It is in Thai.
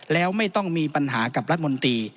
แล้วไม่ต้องมีปัญหากับรัฐมนตรี